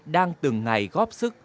đang từng ngày góp sức